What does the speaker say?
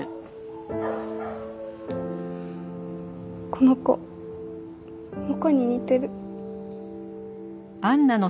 この子モコに似てる。